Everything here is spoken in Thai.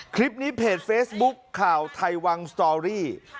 คลิปนี้เพจเฟซบุ๊คข่าวไทยวังสตอรี่